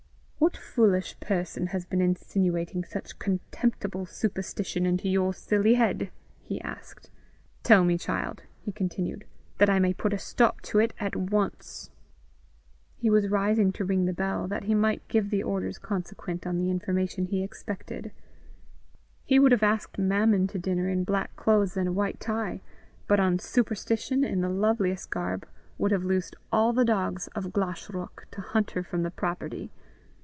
"What foolish person has been insinuating such contemptible superstition into your silly head?" he asked. "Tell me, child," he continued, "that I may put a stop to it at once." He was rising to ring the bell, that he might give the orders consequent on the information he expected: he would have asked Mammon to dinner in black clothes and a white tie, but on Superstition in the loveliest garb would have loosed all the dogs of Glashruach, to hunt her from the property.